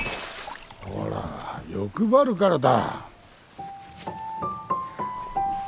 ほら欲張るからだ。